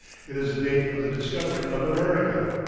It is the date of the discovery of America.